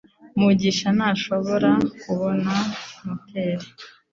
mugisha ntashobora kubona moteri